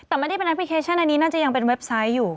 แต่ไม่ได้เป็นแอปพลิเคชันอันนี้น่าจะยังเป็นเว็บไซต์อยู่